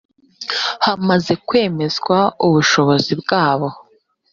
hamaze kwemezwa ubushobozi bwabo